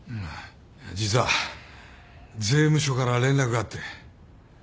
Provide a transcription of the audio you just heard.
実は税務署から連絡があって。